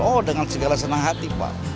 oh dengan segala senang hati pak